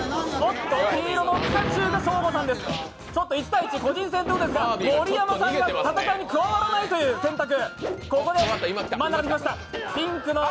１対１、個人戦ということですが、盛山さんが戦いに加わらないという選択。